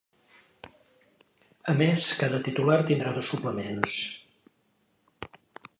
A més, cada titular tindrà dos suplents.